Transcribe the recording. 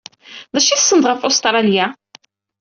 D acu ay tessned ɣef Ustṛalya?